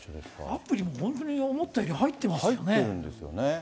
アプリも本当に思ったより入ってますね。